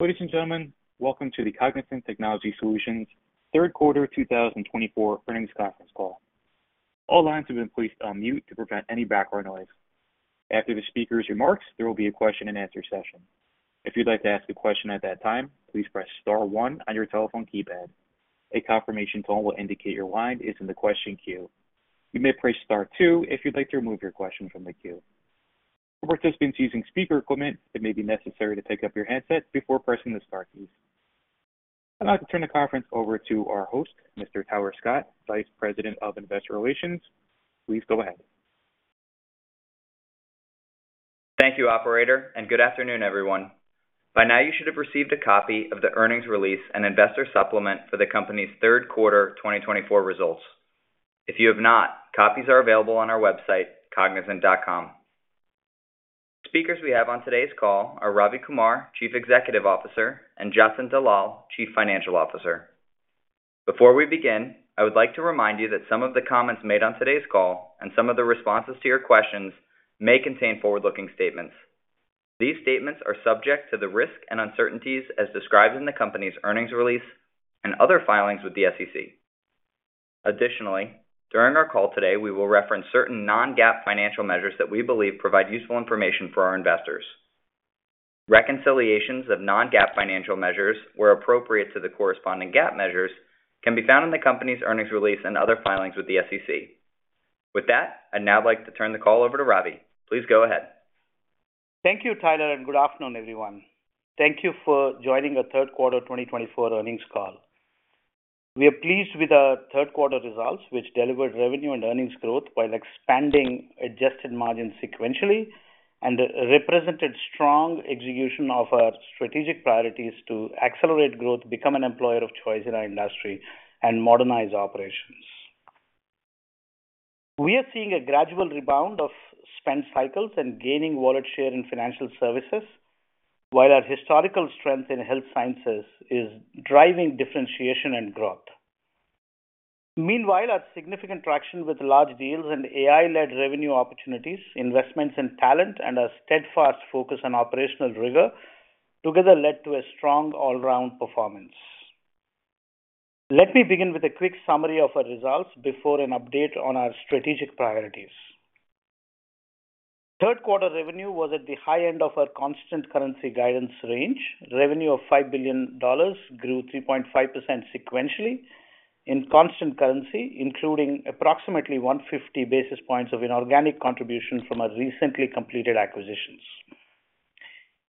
Ladies and gentlemen, welcome to the Cognizant Technology Solutions third quarter 2024 earnings conference call. All lines have been placed on mute to prevent any background noise. After the speaker's remarks, there will be a question-and-answer session. If you'd like to ask a question at that time, please press star one on your telephone keypad. A confirmation tone will indicate your line is in the question queue. You may press star two if you'd like to remove your question from the queue. For participants using speaker equipment, it may be necessary to pick up your headset before pressing the star keys. I'd like to turn the conference over to our host, Mr. Tyler Scott, Vice President of Investor Relations. Please go ahead. Thank you, Operator, and good afternoon, everyone. By now, you should have received a copy of the earnings release and investor supplement for the company's third quarter 2024 results. If you have not, copies are available on our website, cognizant.com. Speakers we have on today's call are Ravi Kumar, Chief Executive Officer, and Jatin Dalal, Chief Financial Officer. Before we begin, I would like to remind you that some of the comments made on today's call and some of the responses to your questions may contain forward-looking statements. These statements are subject to the risk and uncertainties as described in the company's earnings release and other filings with the SEC. Additionally, during our call today, we will reference certain non-GAAP financial measures that we believe provide useful information for our investors. Reconciliations of non-GAAP financial measures where appropriate to the corresponding GAAP measures can be found in the company's earnings release and other filings with the SEC. With that, I'd now like to turn the call over to Ravi. Please go ahead. Thank you, Tyler, and good afternoon, everyone. Thank you for joining our third quarter 2024 earnings call. We are pleased with our third quarter results, which delivered revenue and earnings growth while expanding adjusted margins sequentially and represented strong execution of our strategic priorities to accelerate growth, become an employer of choice in our industry, and modernize operations. We are seeing a gradual rebound of spend cycles and gaining wallet share in Financial Services, while our historical Health Sciences is driving differentiation and growth. Meanwhile, our significant traction with large deals and AI-led revenue opportunities, investments in talent, and our steadfast focus on operational rigor together led to a strong all-around performance. Let me begin with a quick summary of our results before an update on our strategic priorities. Third quarter revenue was at the high end of our constant currency guidance range. Revenue of $5 billion grew 3.5% sequentially in constant currency, including approximately 150 basis points of inorganic contribution from our recently completed acquisitions.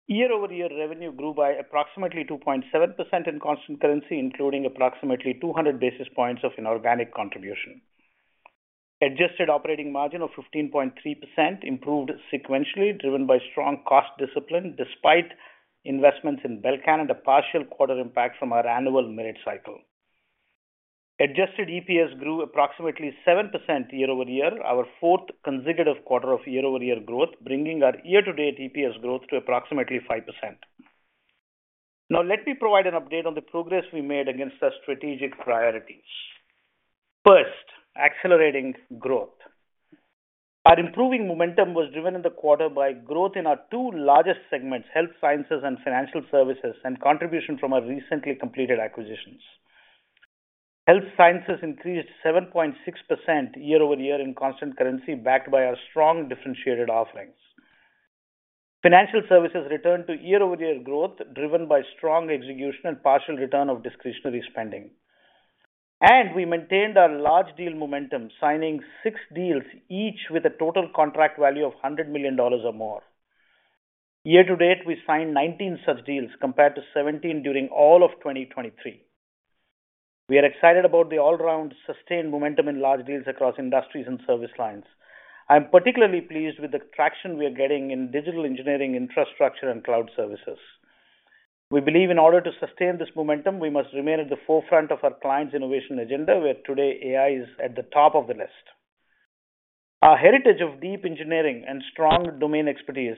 Year-over-year revenue grew by approximately 2.7% in constant currency, including approximately 200 basis points of inorganic contribution. Adjusted operating margin of 15.3% improved sequentially, driven by strong cost discipline despite investments in Belcan and a partial quarter impact from our annual merit cycle. Adjusted EPS grew approximately 7% year-over-year, our fourth consecutive quarter of year-over-year growth, bringing our year-to-date EPS growth to approximately 5%. Now, let me provide an update on the progress we made against our strategic priorities. First, accelerating growth. Our improving momentum was driven in the quarter by growth in our Health Sciences, Financial Services, and contribution from our recently completed acquisitions. Health Sciences increased 7.6% year-over-year in constant currency, backed by our strong differentiated offerings. Financial Services returned to year-over-year growth, driven by strong execution and partial return of discretionary spending, and we maintained our large deal momentum, signing six deals, each with a total contract value of $100 million or more. Year-to-date, we signed 19 such deals, compared to 17 during all of 2023. We are excited about the all-round sustained momentum in large deals across industries and service lines. I'm particularly pleased with the traction we are getting in digital engineering, infrastructure, and cloud services. We believe in order to sustain this momentum, we must remain at the forefront of our clients' innovation agenda, where today AI is at the top of the list. Our heritage of deep engineering and strong domain expertise,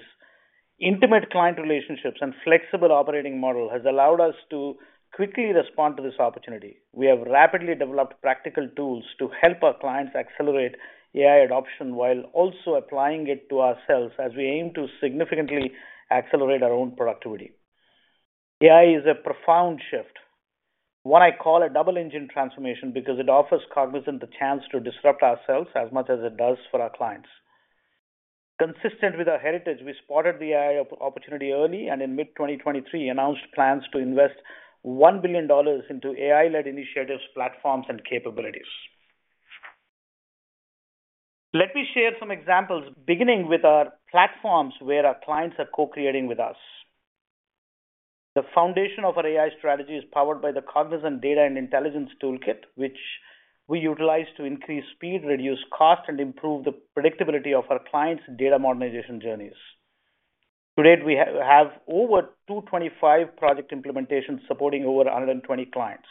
intimate client relationships, and flexible operating model has allowed us to quickly respond to this opportunity. We have rapidly developed practical tools to help our clients accelerate AI adoption while also applying it to ourselves as we aim to significantly accelerate our own productivity. AI is a profound shift, one I call a double-engine transformation because it offers Cognizant the chance to disrupt ourselves as much as it does for our clients. Consistent with our heritage, we spotted the AI opportunity early and in mid-2023 announced plans to invest $1 billion into AI-led initiatives, platforms, and capabilities. Let me share some examples, beginning with our platforms where our clients are co-creating with us. The foundation of our AI strategy is powered by the Cognizant Data and Intelligence Toolkit, which we utilize to increase speed, reduce cost, and improve the predictability of our clients' data modernization journeys. Today, we have over 225 project implementations supporting over 120 clients.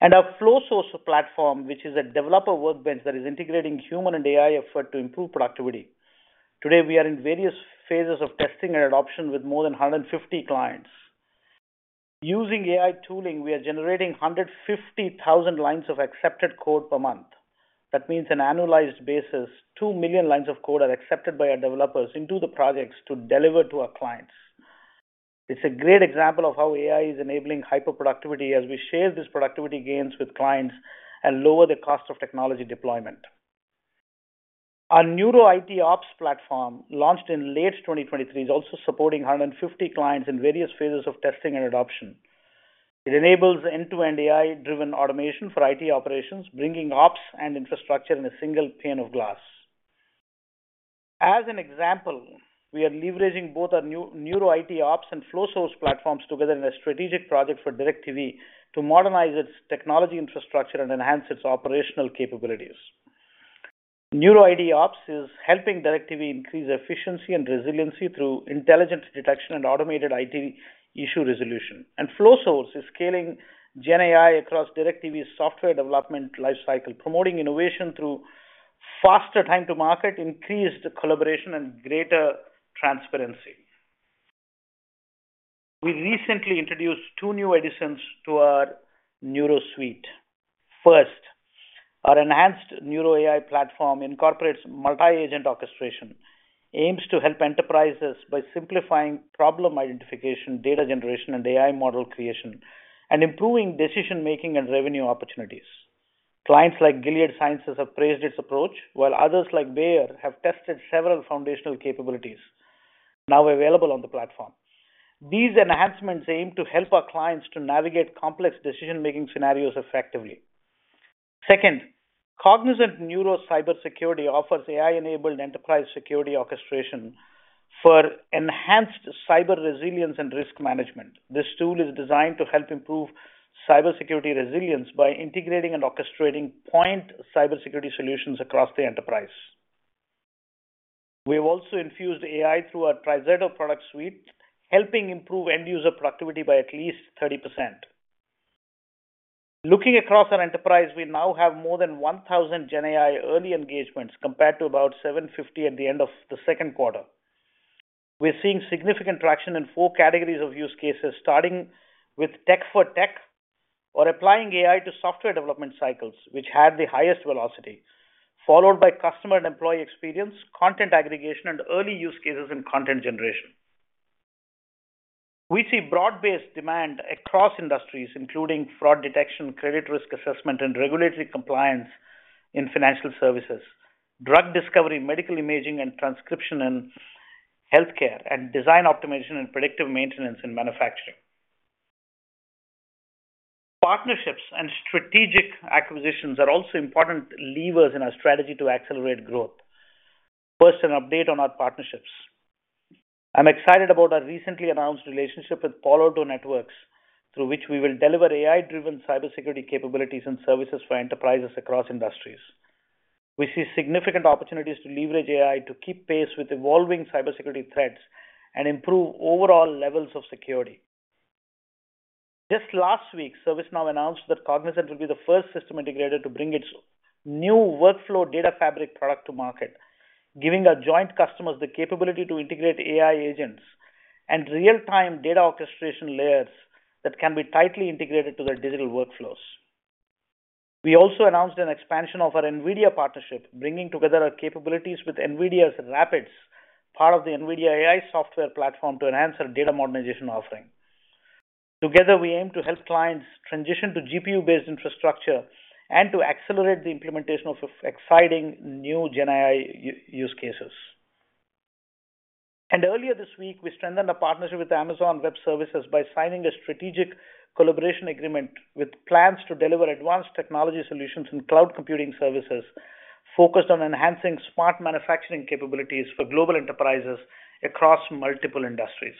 Our Flowsource platform, which is a developer workbench that is integrating human and AI effort to improve productivity. Today, we are in various phases of testing and adoption with more than 150 clients. Using AI tooling, we are generating 150,000 lines of accepted code per month. That means, on an annualized basis, 2 million lines of code are accepted by our developers into the projects to deliver to our clients. It's a great example of how AI is enabling hyperproductivity as we share these productivity gains with clients and lower the cost of technology deployment. Our Neuro IT Ops platform, launched in late 2023, is also supporting 150 clients in various phases of testing and adoption. It enables end-to-end AI-driven automation for IT operations, bringing ops and infrastructure in a single pane of glass. As an example, we are leveraging both our Neuro IT Ops and Flowsource platforms together in a strategic project for DirecTV to modernize its technology infrastructure and enhance its operational capabilities. Neuro IT Ops is helping DirecTV increase efficiency and resiliency through intelligent detection and automated IT issue resolution, and Flowsource is scaling GenAI across DirecTV's software development lifecycle, promoting innovation through faster time to market, increased collaboration, and greater transparency. We recently introduced two new additions to our Neuro suite. First, our enhanced Neuro AI platform incorporates multi-agent orchestration, aims to help enterprises by simplifying problem identification, data generation, and AI model creation, and improving decision-making and revenue opportunities. Clients like Gilead Sciences have praised its approach, while others like Bayer have tested several foundational capabilities now available on the platform. These enhancements aim to help our clients to navigate complex decision-making scenarios effectively. Second, Cognizant Neuro Cybersecurity offers AI-enabled enterprise security orchestration for enhanced cyber resilience and risk management. This tool is designed to help improve cybersecurity resilience by integrating and orchestrating point cybersecurity solutions across the enterprise. We have also infused AI through our TriZetto product suite, helping improve end-user productivity by at least 30%. Looking across our enterprise, we now have more than 1,000 GenAI early engagements compared to about 750 at the end of the second quarter. We're seeing significant traction in four categories of use cases, starting with Tech for Techs or applying AI to software development cycles, which had the highest velocity, followed by customer and employee experience, content aggregation, and early use cases in content generation. We see broad-based demand across industries, including fraud detection, credit risk assessment, and regulatory Financial Services, drug discovery, medical imaging and transcription in healthcare, and design optimization and predictive maintenance in manufacturing. Partnerships and strategic acquisitions are also important levers in our strategy to accelerate growth. First, an update on our partnerships. I'm excited about our recently announced relationship with Palo Alto Networks, through which we will deliver AI-driven cybersecurity capabilities and services for enterprises across industries. We see significant opportunities to leverage AI to keep pace with evolving cybersecurity threats and improve overall levels of security. Just last week, ServiceNow announced that Cognizant will be the first system integrator to bring its new Workflow Data Fabric product to market, giving our joint customers the capability to integrate AI agents and real-time data orchestration layers that can be tightly integrated to their digital workflows. We also announced an expansion of our NVIDIA partnership, bringing together our capabilities with NVIDIA's RAPIDS, part of the NVIDIA AI software platform, to enhance our data modernization offering. Together, we aim to help clients transition to GPU-based infrastructure and to accelerate the implementation of exciting new GenAI use cases. And earlier this week, we strengthened our partnership with Amazon Web Services by signing a strategic collaboration agreement with plans to deliver advanced technology solutions and cloud computing services focused on enhancing smart manufacturing capabilities for global enterprises across multiple industries.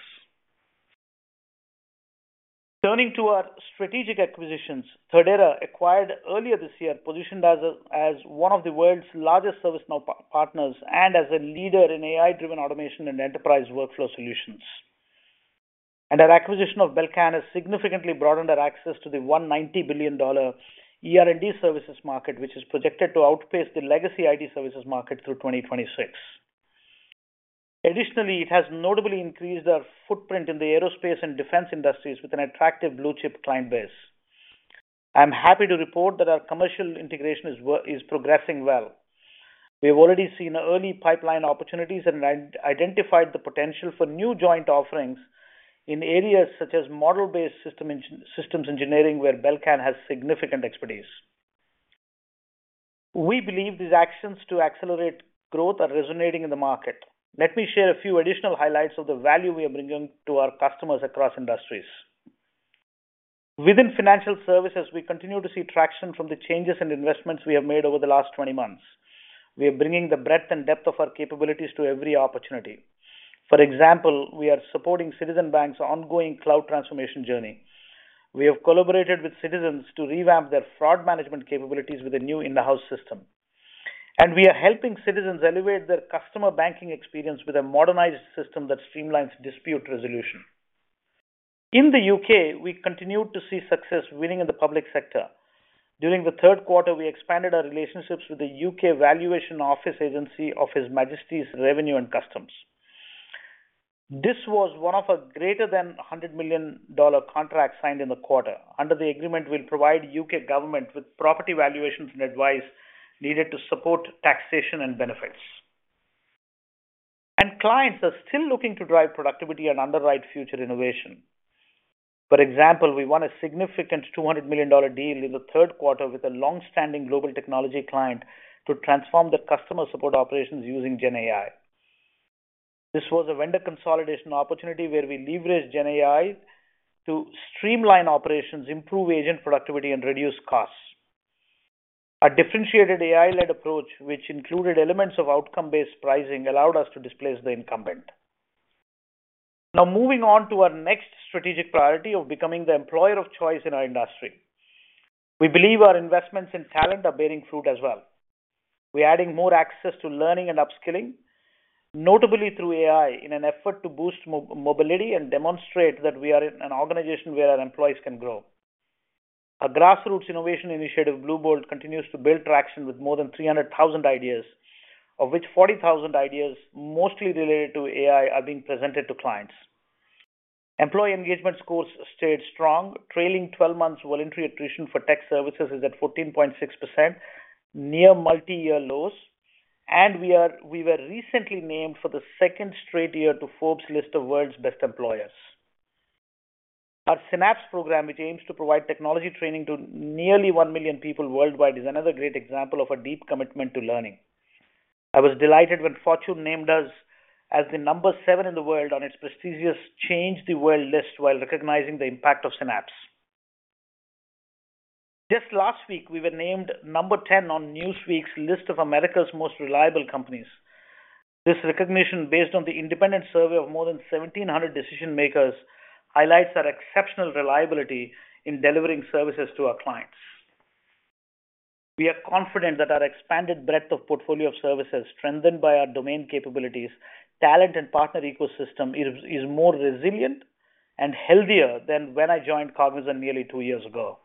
Turning to our strategic acquisitions, Thirdera, acquired earlier this year, positioned as one of the world's largest ServiceNow partners and as a leader in AI-driven automation and enterprise workflow solutions. And our acquisition of Belcan has significantly broadened our access to the $190 billion ER&D services market, which is projected to outpace the legacy IT services market through 2026. Additionally, it has notably increased our footprint in the aerospace and defense industries with an attractive blue chip client base. I'm happy to report that our commercial integration is progressing well. We have already seen early pipeline opportunities and identified the potential for new joint offerings in areas such as Model-Based Systems Engineering, where Belcan has significant expertise. We believe these actions to accelerate growth are resonating in the market. Let me share a few additional highlights of the value we are bringing to our customers industries. Financial Services, we continue to see traction from the changes and investments we have made over the last 20 months. We are bringing the breadth and depth of our capabilities to every opportunity. For example, we are supporting Citizens Bank's ongoing cloud transformation journey. We have collaborated with Citizens to revamp their fraud management capabilities with a new in-house system. We are helping Citizens elevate their customer banking experience with a modernized system that streamlines dispute resolution. In the U.K., we continue to see success winning in the public sector. During the third quarter, we expanded our relationships with the U.K. Valuation Office Agency of His Majesty's Revenue and Customs. This was one of a greater than $100 million contract signed in the quarter. Under the agreement, we'll provide U.K. government with property valuations and advice needed to support taxation and benefits. Clients are still looking to drive productivity and underwrite future innovation. For example, we won a significant $200 million deal in the third quarter with a long-standing global technology client to transform the customer support operations using GenAI. This was a vendor consolidation opportunity where we leveraged GenAI to streamline operations, improve agent productivity, and reduce costs. A differentiated AI-led approach, which included elements of outcome-based pricing, allowed us to displace the incumbent. Now, moving on to our next strategic priority of becoming the employer of choice in our industry. We believe our investments in talent are bearing fruit as well. We are adding more access to learning and upskilling, notably through AI, in an effort to boost mobility and demonstrate that we are in an organization where our employees can grow. Our grassroots innovation initiative, Bluebolt, continues to build traction with more than 300,000 ideas, of which 40,000 ideas, mostly related to AI, are being presented to clients. Employee engagement scores stayed strong. Trailing 12 months' voluntary attrition for tech services is at 14.6%, near multi-year lows, and we were recently named for the second straight year to Forbes' list of World's Best Employers. Our Synapse program, which aims to provide technology training to nearly one million people worldwide, is another great example of our deep commitment to learning. I was delighted when Fortune named us as the number seven in the world on its prestigious Change the World list while recognizing the impact of Synapse. Just last week, we were named number 10 on Newsweek's list of America's Most Reliable Companies. This recognition, based on the independent survey of more than 1,700 decision-makers, highlights our exceptional reliability in delivering services to our clients. We are confident that our expanded breadth of portfolio of services, strengthened by our domain capabilities, talent, and partner ecosystem, is more resilient and healthier than when I joined Cognizant nearly two years ago,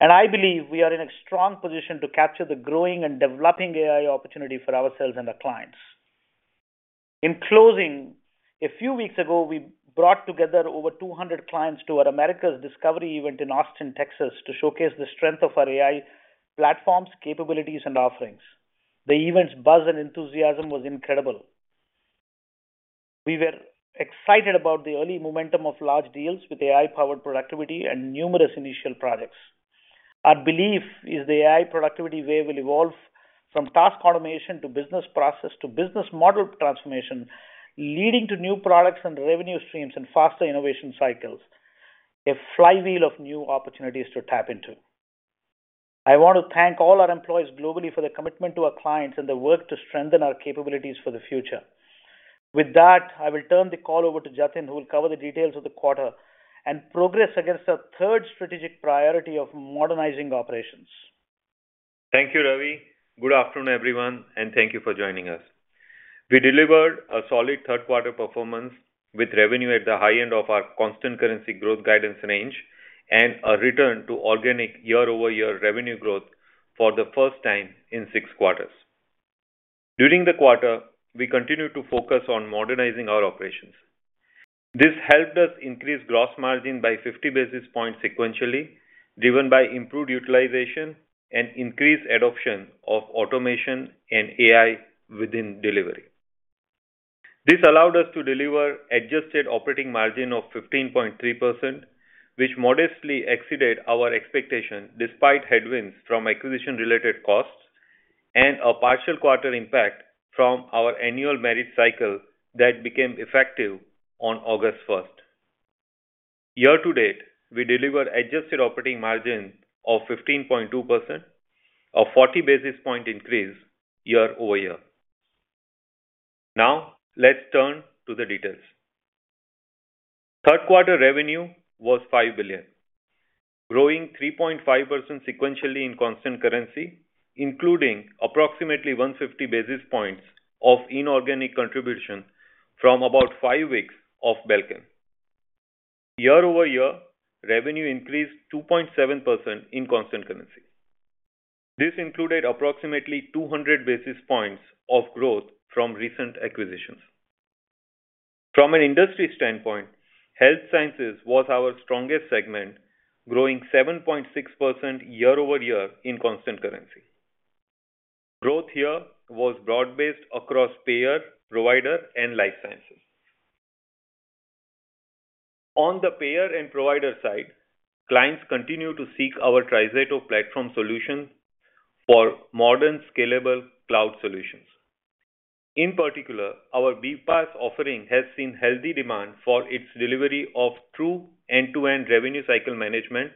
and I believe we are in a strong position to capture the growing and developing AI opportunity for ourselves and our clients. In closing, a few weeks ago, we brought together over 200 clients to our Americas Discovery event in Austin, Texas, to showcase the strength of our AI platforms, capabilities, and offerings. The event's buzz and enthusiasm was incredible. We were excited about the early momentum of large deals with AI-powered productivity and numerous initial projects. Our belief is the AI productivity wave will evolve from task automation to business process to business model transformation, leading to new products and revenue streams and faster innovation cycles, a flywheel of new opportunities to tap into. I want to thank all our employees globally for their commitment to our clients and their work to strengthen our capabilities for the future. With that, I will turn the call over to Jatin, who will cover the details of the quarter and progress against our third strategic priority of modernizing operations. Thank you, Ravi. Good afternoon, everyone, and thank you for joining us. We delivered a solid third-quarter performance with revenue at the high end of our constant currency growth guidance range and a return to organic year-over-year revenue growth for the first time in six quarters. During the quarter, we continued to focus on modernizing our operations. This helped us increase gross margin by 50 basis points sequentially, driven by improved utilization and increased adoption of automation and AI within delivery. This allowed us to deliver an adjusted operating margin of 15.3%, which modestly exceeded our expectations despite headwinds from acquisition-related costs and a partial quarter impact from our annual merit cycle that became effective on August 1st. Year-to-date, we delivered an adjusted operating margin of 15.2%, a 40 basis point increase year-over-year. Now, let's turn to the details. Third-quarter revenue was $5 billion, growing 3.5% sequentially in constant currency, including approximately 150 basis points of inorganic contribution from about five weeks of Belcan. year-over-year, revenue increased 2.7% in constant currency. This included approximately 200 basis points of growth from recent acquisitions. From an industry standpoint, Health Sciences was our strongest segment, growing 7.6% year-over-year in constant currency. Growth here was broad-based across payer, provider, and life sciences. On the payer and provider side, clients continue to seek our TriZetto platform solution for modern, scalable cloud solutions. In particular, our BPaaS offering has seen healthy demand for its delivery of true end-to-end revenue cycle management,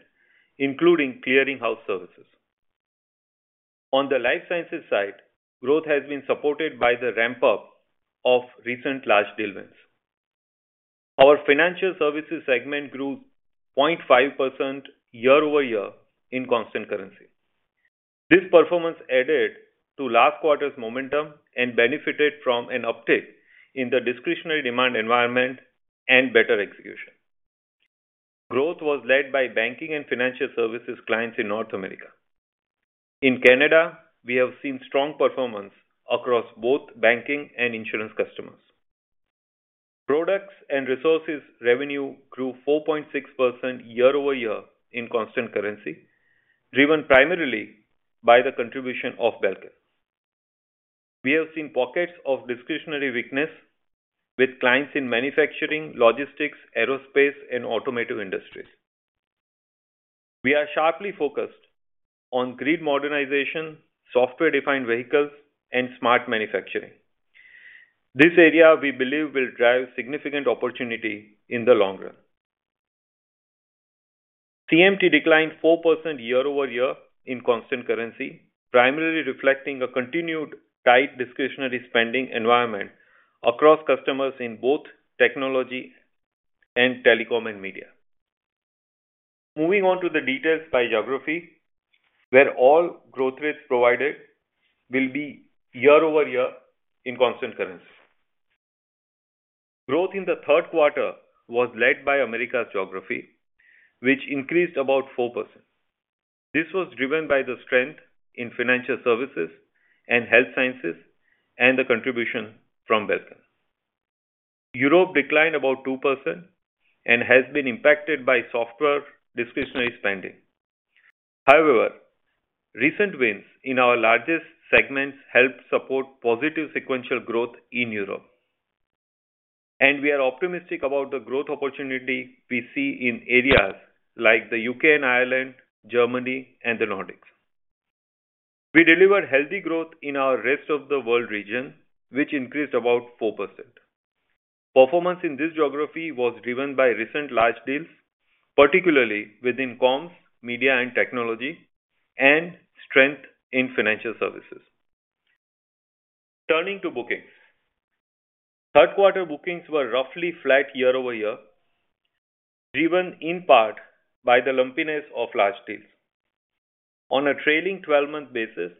including clearinghouse services. On the life sciences side, growth has been supported by the ramp-up of recent large wins. Financial Services segment grew 0.5% year-over-year in constant currency. This performance added to last quarter's momentum and benefited from an uptick in the discretionary demand environment and better execution. Growth was led by Banking and Financial Services clients in North America. In Canada, we have seen strong performance across both banking and insurance customers. Products and Resources revenue grew 4.6% year-over-year in constant currency, driven primarily by the contribution of Belcan. We have seen pockets of discretionary weakness with clients in manufacturing, logistics, aerospace, and automotive industries. We are sharply focused on grid modernization, software-defined vehicles, and smart manufacturing. This area, we believe, will drive significant opportunity in the long run. CMT declined 4% year-over-year in constant currency, primarily reflecting a continued tight discretionary spending environment across customers in both technology and telecom and media. Moving on to the details by geography, where all growth rates provided will be year-over-year in constant currency. Growth in the third quarter was led by Americas geography, which increased about 4%. This was driven by the Health Sciences and the contribution from Belcan. Europe declined about 2% and has been impacted by software discretionary spending. However, recent wins in our largest segments helped support positive sequential growth in Europe, and we are optimistic about the growth opportunity we see in areas like the U.K. and Ireland, Germany, and the Nordics. We delivered healthy growth in our Rest of the World region, which increased about 4%. Performance in this geography was driven by recent large deals, particularly within Comms, Media and Technology, and strength Financial Services. turning to bookings, third-quarter bookings were roughly flat year-over-year, driven in part by the lumpiness of large deals. On a trailing 12-month basis,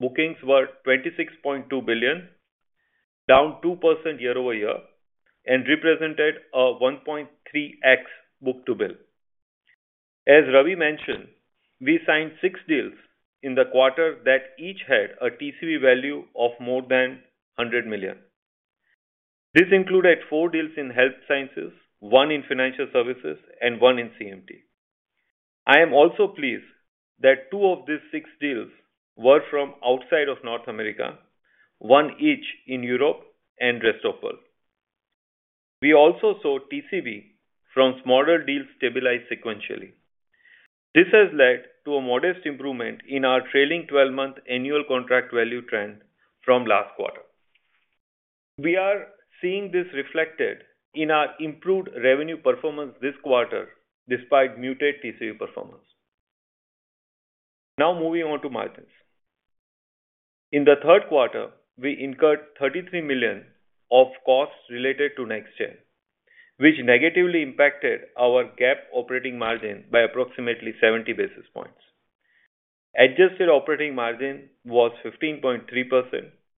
bookings were $26.2 billion, down 2% year-over-year, and represented a 1.3x book-to-bill. As Ravi mentioned, we signed six deals in the quarter that each had a TCV value of more than $100 million. This included Health Sciences, one Financial Services, and one in CMT. I am also pleased that two of these six deals were from outside of North America, one each in Europe and Rest of the World. We also saw TCV from smaller deals stabilize sequentially. This has led to a modest improvement in our trailing 12-month annual contract value trend from last quarter. We are seeing this reflected in our improved revenue performance this quarter despite muted TCV performance. Now, moving on to margins. In the third quarter, we incurred $33 million of costs related to NextGen, which negatively impacted our GAAP operating margin by approximately 70 basis points. Adjusted operating margin was 15.3%,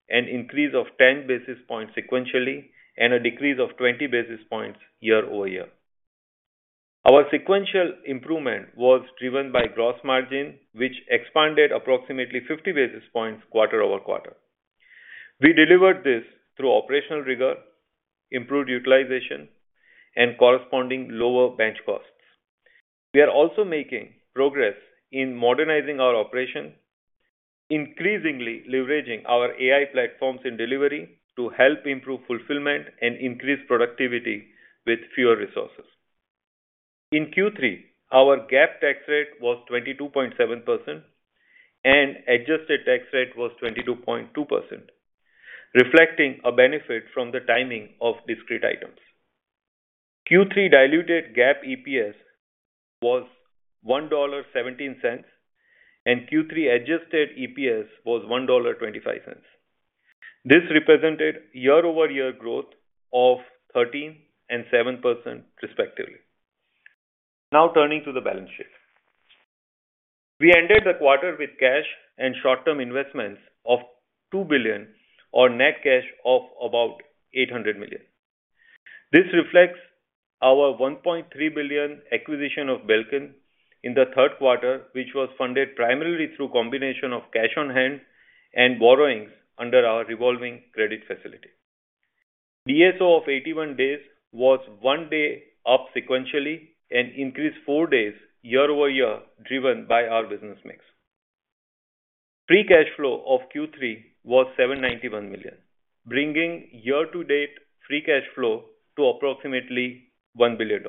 an increase of 10 basis points sequentially, and a decrease of 20 basis points year-over-year. Our sequential improvement was driven by gross margin, which expanded approximately 50 basis points quarter over quarter. We delivered this through operational rigor, improved utilization, and corresponding lower bench costs. We are also making progress in modernizing our operation, increasingly leveraging our AI platforms in delivery to help improve fulfillment and increase productivity with fewer resources. In Q3, our GAAP tax rate was 22.7%, and adjusted tax rate was 22.2%, reflecting a benefit from the timing of discrete items. Q3 diluted GAAP EPS was $1.17, and Q3 adjusted EPS was $1.25. This represented year-over-year growth of 13% and 7%, respectively. Now, turning to the balance sheet, we ended the quarter with cash and short-term investments of $2 billion, or net cash of about $800 million. This reflects our $1.3 billion acquisition of Belcan in the third quarter, which was funded primarily through a combination of cash on hand and borrowings under our revolving credit facility. DSO of 81 days was one day up sequentially and increased four days year-over-year, driven by our business mix. Free cash flow of Q3 was $791 million, bringing year-to-date free cash flow to approximately $1 billion.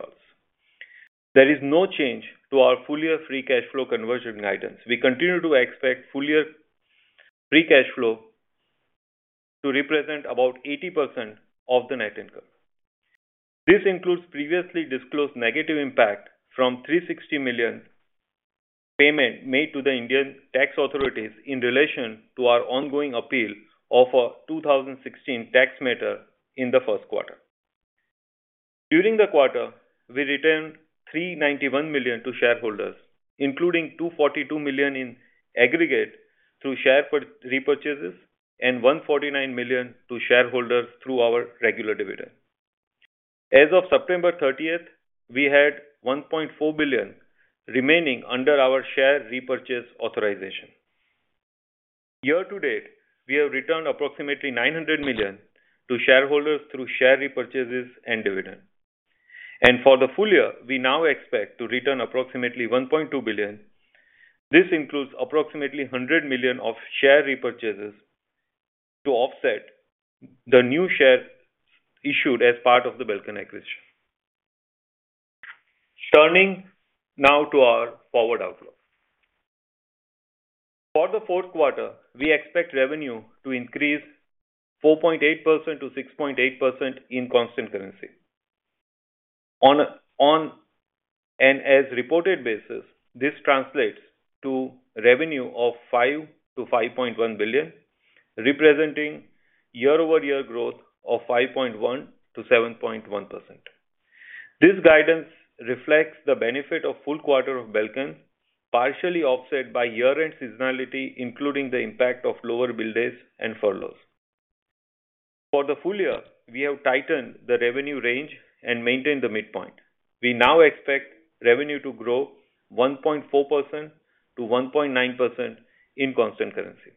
There is no change to our full-year free cash flow conversion guidance. We continue to expect full-year free cash flow to represent about 80% of the net income. This includes previously disclosed negative impact from $360 million payment made to the Indian tax authorities in relation to our ongoing appeal of a 2016 tax matter in the first quarter. During the quarter, we returned $391 million to shareholders, including $242 million in aggregate through share repurchases and $149 million to shareholders through our regular dividend. As of September 30th, we had $1.4 billion remaining under our share repurchase authorization. Year-to-date, we have returned approximately $900 million to shareholders through share repurchases and dividend, and for the full year, we now expect to return approximately $1.2 billion. This includes approximately $100 million of share repurchases to offset the new share issued as part of the Belcan acquisition. Turning now to our forward outlook, for the fourth quarter, we expect revenue to increase 4.8%-6.8% in constant currency. On an as-reported basis, this translates to revenue of $5 billion-$5.1 billion, representing year-over-year growth of 5.1%-7.1%. This guidance reflects the benefit of full quarter of Belcan, partially offset by year-end seasonality, including the impact of lower bill days and furloughs. For the full year, we have tightened the revenue range and maintained the midpoint. We now expect revenue to grow 1.4%-1.9% in constant currency.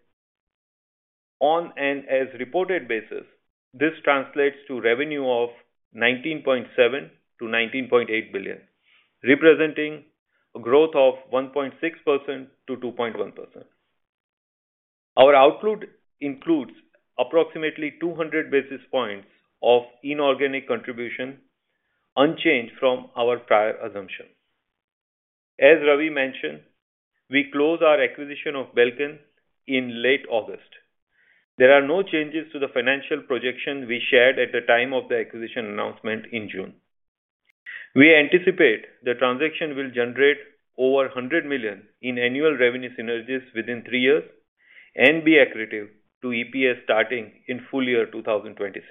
On an as-reported basis, this translates to revenue of $19.7 billion-$19.8 billion, representing a growth of 1.6%-2.1%. Our outlook includes approximately 200 basis points of inorganic contribution, unchanged from our prior assumption. As Ravi mentioned, we close our acquisition of Belcan in late August. There are no changes to the financial projection we shared at the time of the acquisition announcement in June. We anticipate the transaction will generate over $100 million in annual revenue synergies within three years and be accretive to EPS starting in full year 2026.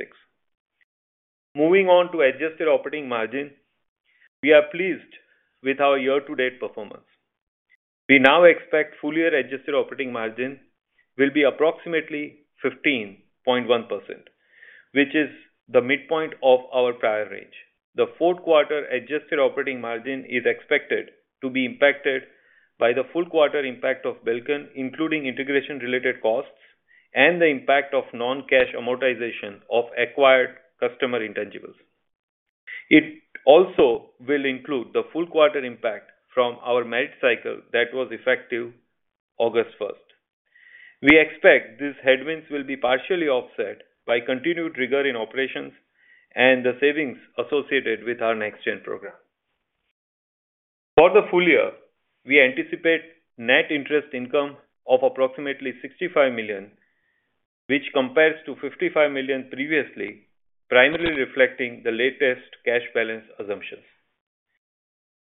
Moving on to adjusted operating margin, we are pleased with our year-to-date performance. We now expect full-year adjusted operating margin will be approximately 15.1%, which is the midpoint of our prior range. The fourth quarter adjusted operating margin is expected to be impacted by the full quarter impact of Belcan, including integration-related costs and the impact of non-cash amortization of acquired customer intangibles. It also will include the full quarter impact from our merit cycle that was effective August 1st. We expect these headwinds will be partially offset by continued rigor in operations and the savings associated with our NextGen program. For the full year, we anticipate net interest income of approximately $65 million, which compares to $55 million previously, primarily reflecting the latest cash balance assumptions.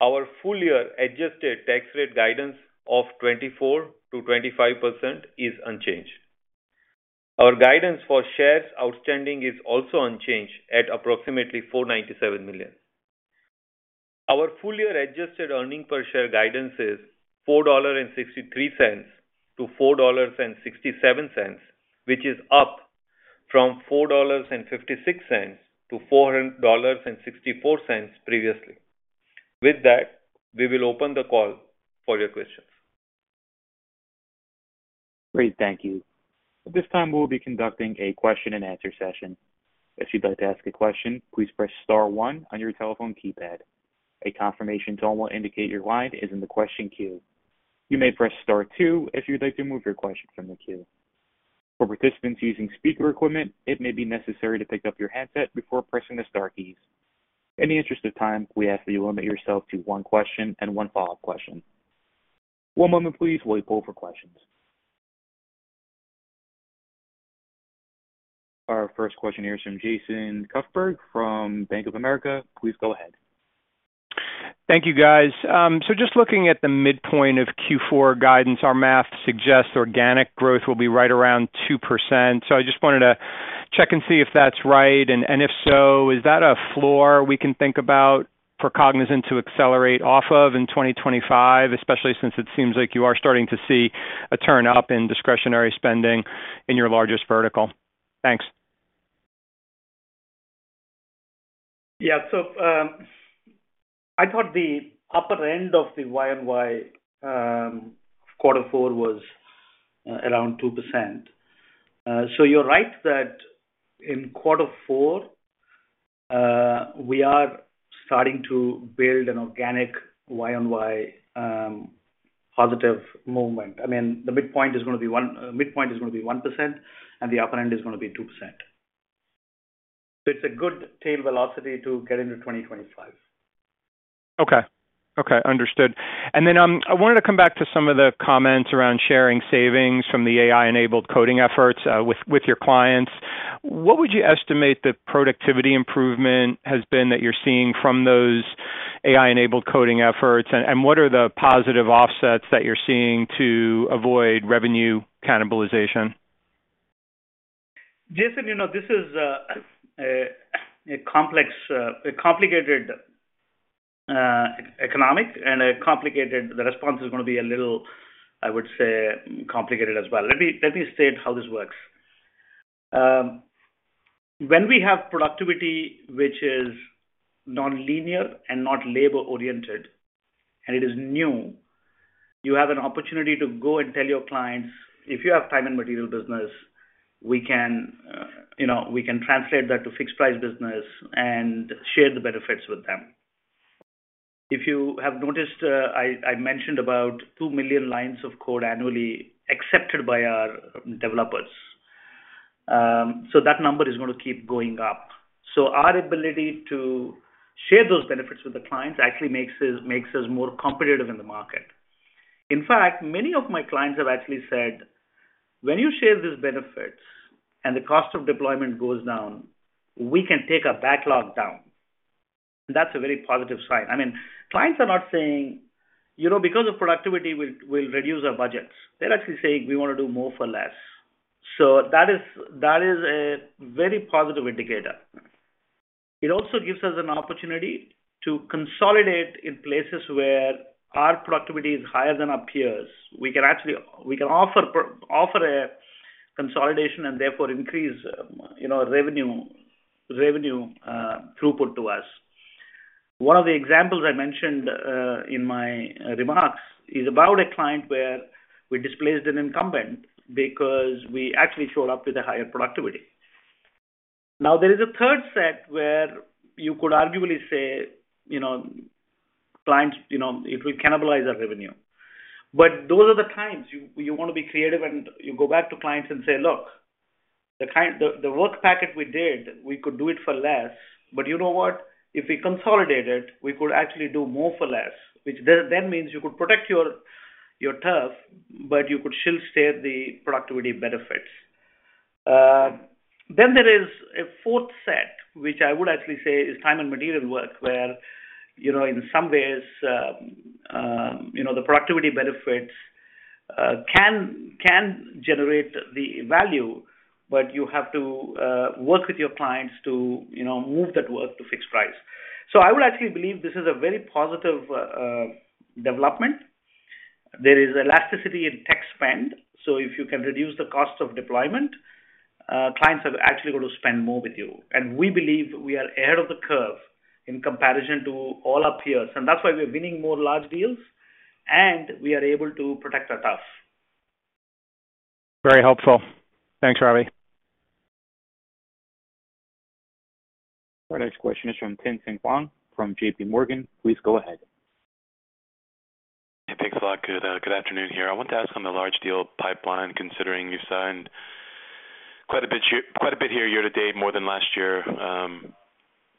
Our full-year adjusted tax rate guidance of 24%-25% is unchanged. Our guidance for shares outstanding is also unchanged at approximately 497 million. Our full-year adjusted earnings per share guidance is $4.63-$4.67, which is up from $4.56-$4.60 previously. With that, we will open the call for your questions. Great. Thank you. At this time, we will be conducting a question-and-answer session. If you'd like to ask a question, please press star one on your telephone keypad. A confirmation tone will indicate your line is in the question queue. You may press star two if you'd like to move your question from the queue. For participants using speaker equipment, it may be necessary to pick up your handset before pressing the star keys. In the interest of time, we ask that you limit yourself to one question and one follow-up question. One moment, please, while we pull for questions. Our first question here is from Jason Kupferberg from Bank of America. Please go ahead. Thank you, guys. So just looking at the midpoint of Q4 guidance, our math suggests organic growth will be right around 2%. So I just wanted to check and see if that's right. And if so, is that a floor we can think about for Cognizant to accelerate off of in 2025, especially since it seems like you are starting to see a turn up in discretionary spending in your largest vertical? Thanks. Yeah. So I thought the upper end of the Y-on-Y quarter four was around 2%. So you're right that in quarter four, we are starting to build an organic Y-on-Y positive movement. I mean, the midpoint is going to be 1%, and the upper end is going to be 2%. So it's a good tail velocity to get into 2025. Okay. Okay. Understood. And then I wanted to come back to some of the comments around sharing savings from the AI-enabled coding efforts with your clients. What would you estimate the productivity improvement has been that you're seeing from those AI-enabled coding efforts? And what are the positive offsets that you're seeing to avoid revenue cannibalization? Jason, this is a complicated economic and the response is going to be a little, I would say, complicated as well. Let me state how this works. When we have productivity, which is non-linear and not labor-oriented, and it is new, you have an opportunity to go and tell your clients, "If you have time and material business, we can translate that to fixed-price business and share the benefits with them." If you have noticed, I mentioned about two million lines of code annually accepted by our developers. So that number is going to keep going up. So our ability to share those benefits with the clients actually makes us more competitive in the market. In fact, many of my clients have actually said, "When you share these benefits and the cost of deployment goes down, we can take a backlog down, and that's a very positive sign. I mean, clients are not saying, "Because of productivity, we'll reduce our budgets." They're actually saying, "We want to do more for less." So that is a very positive indicator. It also gives us an opportunity to consolidate in places where our productivity is higher than our peers. We can offer a consolidation and therefore increase revenue throughput to us. One of the examples I mentioned in my remarks is about a client where we displaced an incumbent because we actually showed up with a higher productivity. Now, there is a third set where you could arguably say clients, "It will cannibalize our revenue." But those are the times you want to be creative and you go back to clients and say, "Look, the work packet we did, we could do it for less. But you know what? If we consolidate it, we could actually do more for less," which then means you could protect your turf, but you could still share the productivity benefits. Then there is a fourth set, which I would actually say is time and material work, where in some ways, the productivity benefits can generate the value, but you have to work with your clients to move that work to fixed price. So I would actually believe this is a very positive development. There is elasticity in tech spend. So if you can reduce the cost of deployment, clients are actually going to spend more with you. And we believe we are ahead of the curve in comparison to all our peers. And that's why we are winning more large deals, and we are able to protect our turf. Very helpful. Thanks, Ravi. Our next question is from Tien-tsin Huang from JPMorgan. Please go ahead. Good afternoon here. I want to ask on the large deal pipeline, considering you've signed quite a bit here year-to-date more than last year.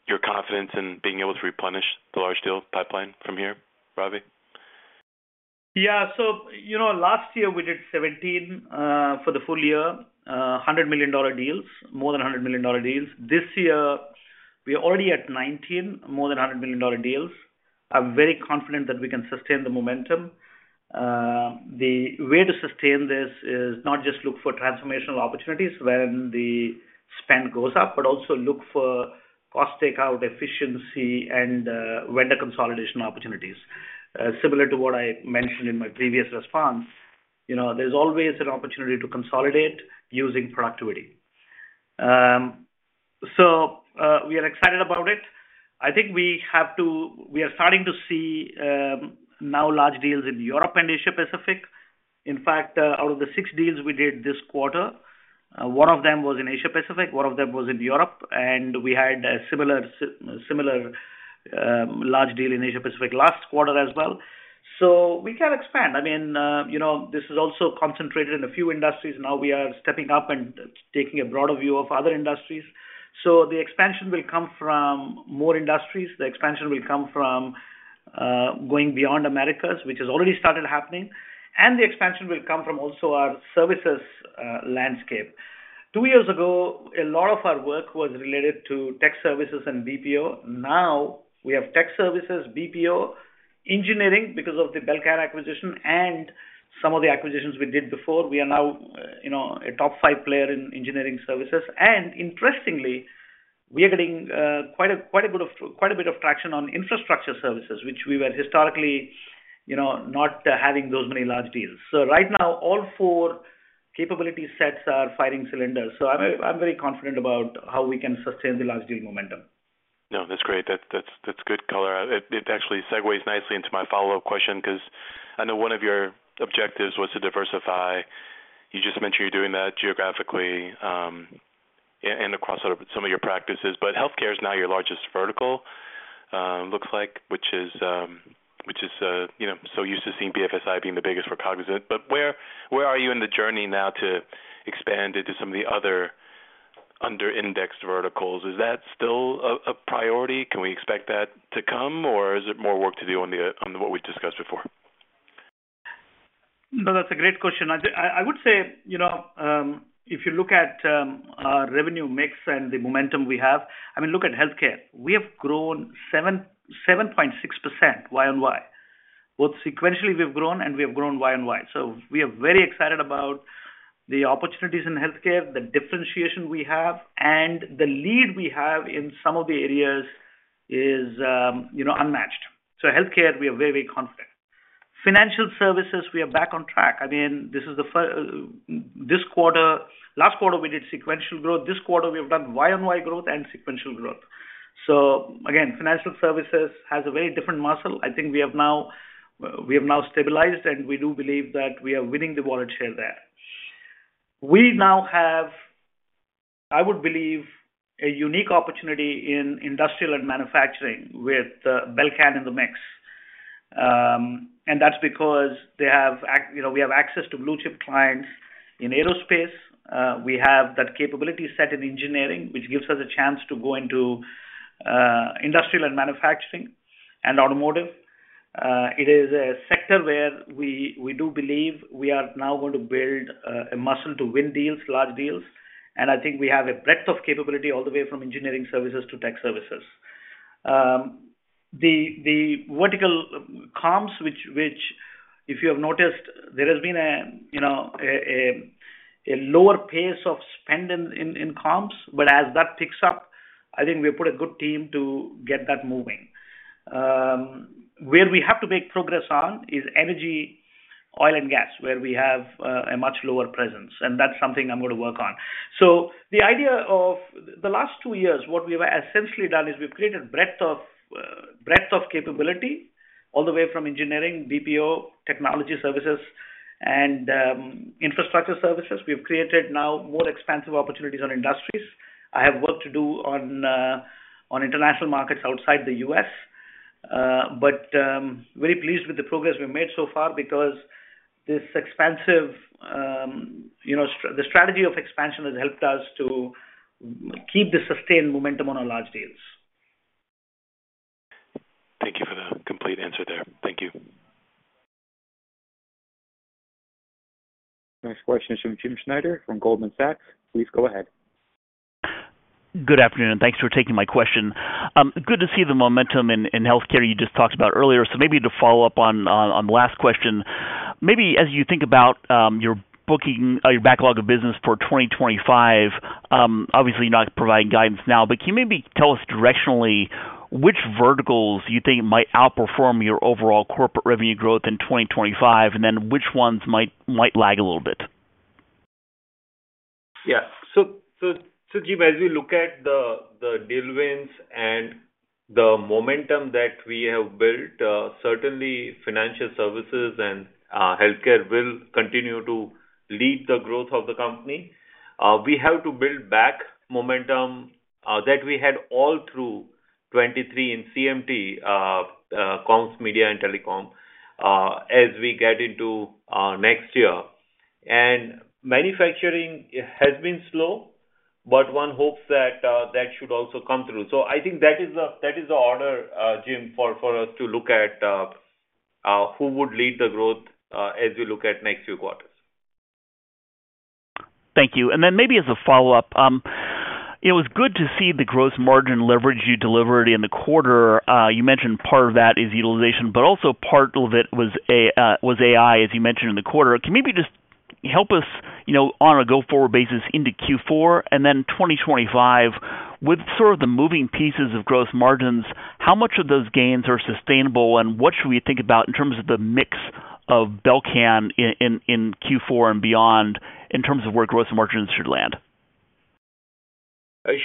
Your confidence in being able to replenish the large deal pipeline from here, Ravi? Yeah. So last year, we did 17 for the full year, $100 million deals, more than $100 million deals. This year, we're already at 19, more than $100 million deals. I'm very confident that we can sustain the momentum. The way to sustain this is not just look for transformational opportunities when the spend goes up, but also look for cost takeout, efficiency, and vendor consolidation opportunities. Similar to what I mentioned in my previous response, there's always an opportunity to consolidate using productivity. So we are excited about it. I think we are starting to see now large deals in Europe and Asia-Pacific. In fact, out of the six deals we did this quarter, one of them was in Asia-Pacific, one of them was in Europe, and we had a similar large deal in Asia-Pacific last quarter as well. So we can expand. I mean, this is also concentrated in a few industries. Now we are stepping up and taking a broader view of other industries. So the expansion will come from more industries. The expansion will come from going beyond Americas, which has already started happening. And the expansion will come from also our services landscape. Two years ago, a lot of our work was related to tech services and BPO. Now we have tech services, BPO, engineering because of the Belcan acquisition, and some of the acquisitions we did before. We are now a top five player in engineering services. And interestingly, we are getting quite a bit of traction on infrastructure services, which we were historically not having those many large deals. So right now, all four capability sets are firing cylinders. So I'm very confident about how we can sustain the large deal momentum. No, that's great. That's good color. It actually segues nicely into my follow-up question because I know one of your objectives was to diversify. You just mentioned you're doing that geographically and across some of your practices. But healthcare is now your largest vertical, looks like, which is so used to seeing BFSI being the biggest for Cognizant. But where are you in the journey now to expand into some of the other under-indexed verticals? Is that still a priority? Can we expect that to come, or is there more work to do on what we've discussed before? No, that's a great question. I would say if you look at our revenue mix and the momentum we have, I mean, look at healthcare. We have grown 7.6% Y-on-Y. Both sequentially, we've grown, and we have grown Y-on-Y. So we are very excited about the opportunities in healthcare, the differentiation we have, and the lead we have in some of the areas is unmatched. So healthcare, we are very, Financial Services, we are back on track. I mean, this quarter, last quarter, we did sequential growth. This quarter, we have done Y-on-Y growth and sequential growth. Financial Services has a very different muscle. I think we have now stabilized, and we do believe that we are winning the volatility there. We now have, I would believe, a unique opportunity in industrial and manufacturing with Belcan in the mix. And that's because we have access to blue-chip clients in aerospace. We have that capability set in engineering, which gives us a chance to go into industrial and manufacturing and automotive. It is a sector where we do believe we are now going to build a muscle to win deals, large deals. And I think we have a breadth of capability all the way from engineering services to tech services. The vertical comms, which, if you have noticed, there has been a lower pace of spend in comms. But as that picks up, I think we put a good team to get that moving. Where we have to make progress on is energy, oil, and gas, where we have a much lower presence. And that's something I'm going to work on. So, the idea of the last two years—what we have essentially done—is we've created a breadth of capability all the way from engineering, BPO, technology services, and infrastructure services. We've created now more expansive opportunities on industries. We have work to do on international markets outside the U.S. But very pleased with the progress we've made so far because this expansive, the strategy of expansion has helped us to keep the sustained momentum on our large deals. Thank you for the complete answer there. Thank you. Next question is from Jim Schneider from Goldman Sachs. Please go ahead. Good afternoon. Thanks for taking my question. Good to see the momentum in healthcare you just talked about earlier. So maybe to follow up on the last question, maybe as you think about your backlog of business for 2025, obviously, you're not providing guidance now, but can you maybe tell us directionally which verticals you think might outperform your overall corporate revenue growth in 2025, and then which ones might lag a little bit? Yeah. So Jim, as we look at the deal wins and the momentum that we have built, Financial Services and healthcare will continue to lead the growth of the company. We have to build back momentum that we had all through 2023 in CMT, Comms, Media, and Telecom as we get into next year. And manufacturing has been slow, but one hopes that that should also come through. So I think that is the order, Jim, for us to look at who would lead the growth as we look at next few quarters. Thank you. And then maybe as a follow-up, it was good to see the gross margin leverage you delivered in the quarter. You mentioned part of that is utilization, but also part of it was AI, as you mentioned in the quarter. Can you maybe just help us on a go-forward basis into Q4 and then 2025, with sort of the moving pieces of gross margins, how much of those gains are sustainable, and what should we think about in terms of the mix of Belcan in Q4 and beyond in terms of where gross margins should land?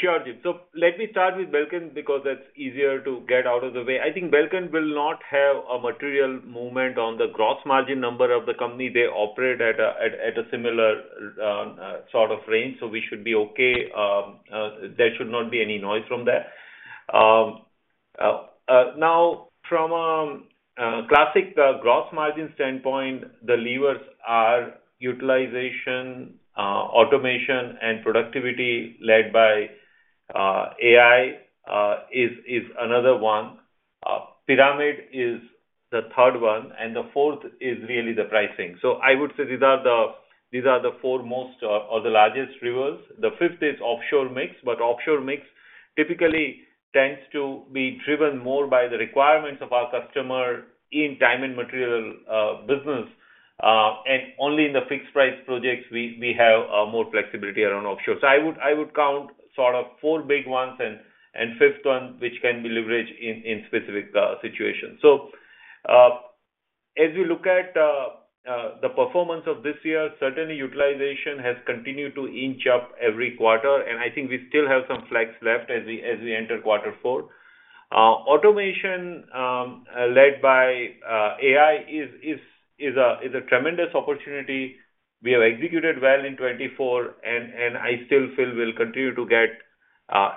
Sure, Jim. So let me start with Belcan because that's easier to get out of the way. I think Belcan will not have a material movement on the gross margin number of the company. They operate at a similar sort of range, so we should be okay. There should not be any noise from there. Now, from a classic gross margin standpoint, the levers are utilization, automation, and productivity led by AI is another one. Pyramid is the third one, and the fourth is really the pricing. So I would say these are the four most or the largest levers. The fifth is offshore mix, but offshore mix typically tends to be driven more by the requirements of our customer in time and material business. And only in the fixed-price projects, we have more flexibility around offshore. So I would count sort of four big ones and fifth one, which can be leveraged in specific situations. So as we look at the performance of this year, certainly utilization has continued to inch up every quarter, and I think we still have some flex left as we enter quarter four. Automation led by AI is a tremendous opportunity. We have executed well in 2024, and I still feel we'll continue to get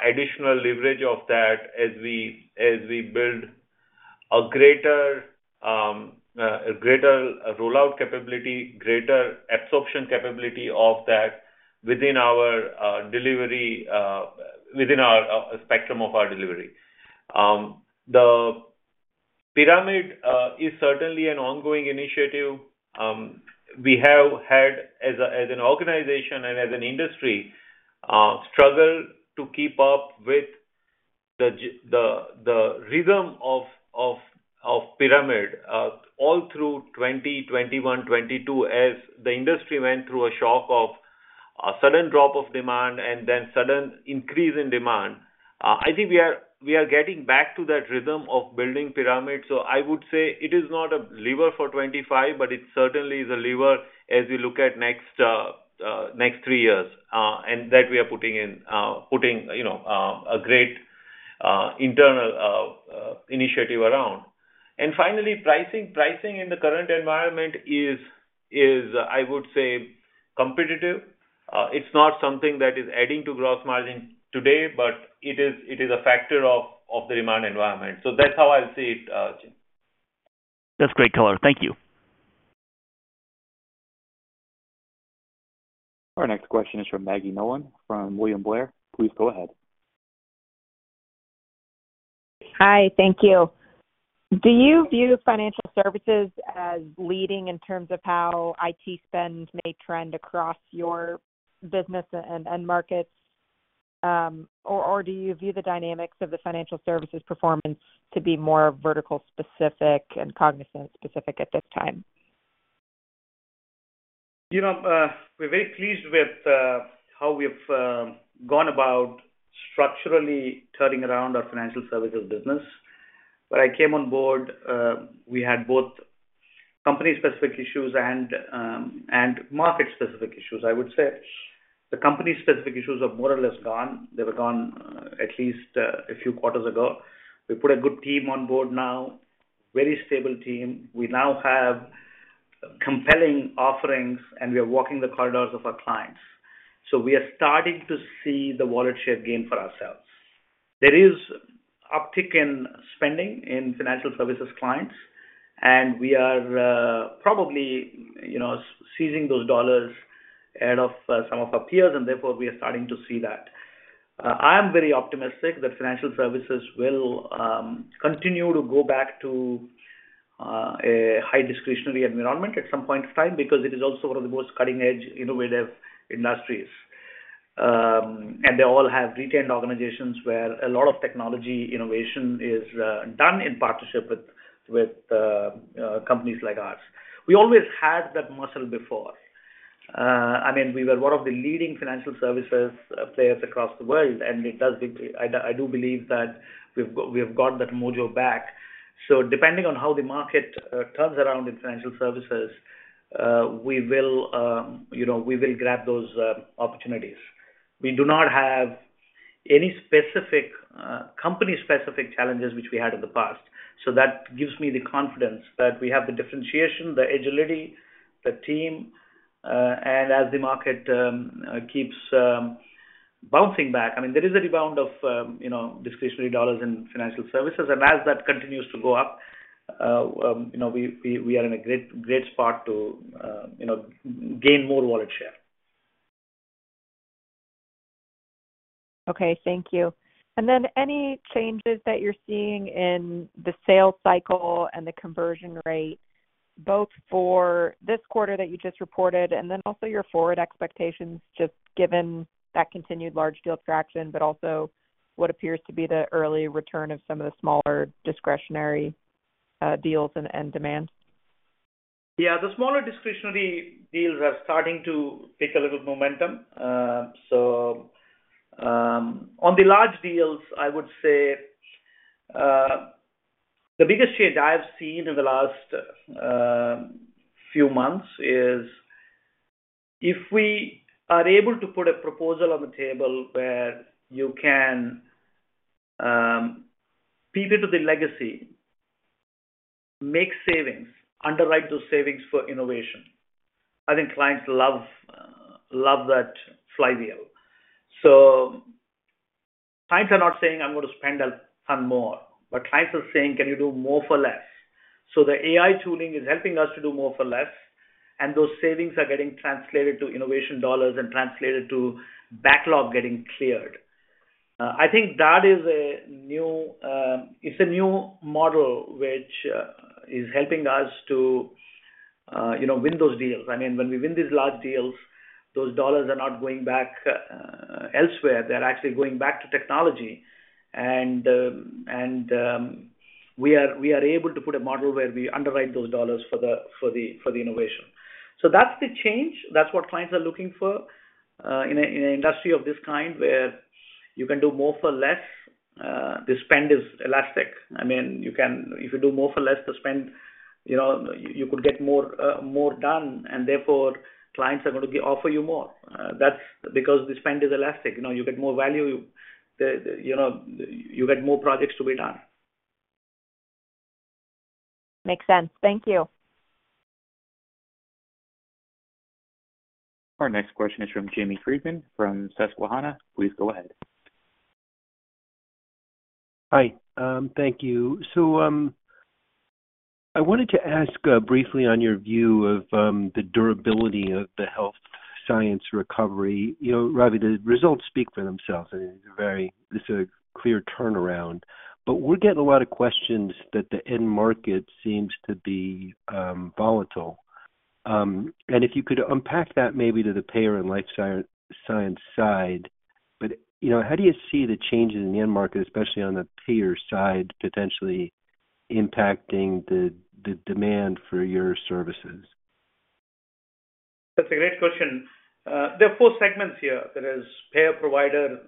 additional leverage of that as we build a greater rollout capability, greater absorption capability of that within our delivery, within our spectrum of our delivery. The pyramid is certainly an ongoing initiative. We have had, as an organization and as an industry, struggle to keep up with the rhythm of pyramid all through 2020, 2021, 2022 as the industry went through a shock of a sudden drop of demand and then sudden increase in demand. I think we are getting back to that rhythm of building pyramid, so I would say it is not a lever for 2025, but it certainly is a lever as we look at next three years and that we are putting in a great internal initiative around, and finally, pricing in the current environment is, I would say, competitive. It's not something that is adding to gross margin today, but it is a factor of the demand environment. So that's how I'll see it, Jim. That's great color. Thank you. Our next question is from Maggie Nolan from William Blair. Please go ahead. Hi. Thank you. Do you Financial Services as leading in terms of how IT spend may trend across your business and markets, or do you view the dynamics of Financial Services performance to be more vertical-specific and Cognizant-specific at this time? We're very pleased with how we've gone about structurally turning Financial Services business. when I came on board, we had both company-specific issues and market-specific issues, I would say. The company-specific issues are more or less gone. They were gone at least a few quarters ago. We put a good team on board now, very stable team. We now have compelling offerings, and we are walking the corridors of our clients, so we are starting to see the value gain for ourselves. There is uptick in Financial Services clients, and we are probably stealing those dollars out of some of our peers, and therefore, we are starting to see that. I am very Financial Services will continue to go back to a high-discretionary environment at some point of time because it is also one of the most cutting-edge, innovative industries, and they all have R&D organizations where a lot of technology innovation is done in partnership with companies like ours. We always had that muscle before. I mean, we were one of Financial Services players across the world, and I do believe that we've got that mojo back. So depending on how the market turns Financial Services, we will grab those opportunities. We do not have any company-specific challenges which we had in the past. So that gives me the confidence that we have the differentiation, the agility, the team, and as the market keeps bouncing back, I mean, there is a rebound of discretionary Financial Services. and as that continues to go up, we are in a great spot to gain more wallet share. Okay. Thank you. And then any changes that you're seeing in the sales cycle and the conversion rate, both for this quarter that you just reported and then also your forward expectations, just given that continued large deal traction, but also what appears to be the early return of some of the smaller discretionary deals and demand? Yeah. The smaller discretionary deals are starting to take a little momentum. So on the large deals, I would say the biggest change I have seen in the last few months is if we are able to put a proposal on the table where you can pivot to the legacy, make savings, underwrite those savings for innovation. I think clients love that flywheel. So clients are not saying, "I'm going to spend a ton more," but clients are saying, "Can you do more for less?" So the AI tooling is helping us to do more for less, and those savings are getting translated to innovation dollars and translated to backlog getting cleared. I think that is a new model which is helping us to win those deals. I mean, when we win these large deals, those dollars are not going back elsewhere. They're actually going back to technology. And we are able to put a model where we underwrite those dollars for the innovation. So that's the change. That's what clients are looking for in an industry of this kind where you can do more for less. The spend is elastic. I mean, if you do more for less, the spend, you could get more done, and therefore, clients are going to offer you more. That's because the spend is elastic. You get more value. You get more projects to be done. Makes sense. Thank you. Our next question is from Jamie Friedman from Susquehanna. Please go ahead. Hi. Thank you. So I wanted to ask briefly on your view of the durability Health Science recovery. Ravi, the results speak for themselves. It's a clear turnaround. But we're getting a lot of questions that the end market seems to be volatile. If you could unpack that maybe to the payer and life sciences side, how do you see the changes in the end market, especially on the payer side, potentially impacting the demand for your services? That's a great question. There are four segments here. There is payer, provider,